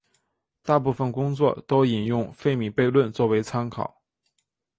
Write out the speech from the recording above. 大部分工作都引用费米悖论作为参考。